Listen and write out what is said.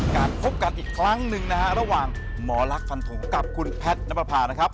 การพบกันอีกครั้งหนึ่งนะฮะระหว่างหมอลักษันถงกับคุณแพทย์นับประพานะครับ